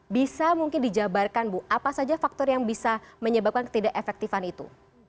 bisa mungkin dijabarkan bu apa saja faktor yang bisa menyebabkan ketidak efektifan itu